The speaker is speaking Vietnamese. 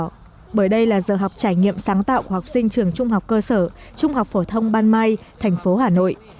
người đây là giờ học trải nghiệm sáng tạo của học sinh trường trung học cơ sở trung học phổ thông ban mai thành phố hà nội